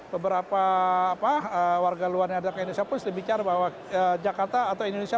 beberapa warga luar yang ada ke indonesia pun sudah bicara bahwa jakarta atau indonesia